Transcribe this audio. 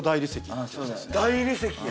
大理石や。